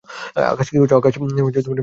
আকাশ, কি করছ?